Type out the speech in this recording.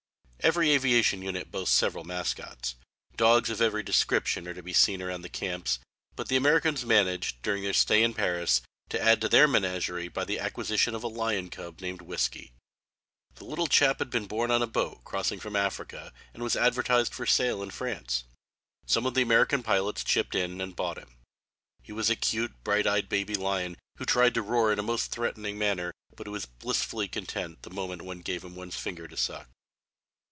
Every aviation unit boasts several mascots. Dogs of every description are to be seen around the camps, but the Americans managed, during their stay in Paris, to add to their menagerie by the acquisition of a lion cub named "Whiskey." The little chap had been born on a boat crossing from Africa and was advertised for sale in France. Some of the American pilots chipped in and bought him. He was a cute, bright eyed baby lion who tried to roar in a most threatening manner but who was blissfully content the moment one gave him one's finger to suck.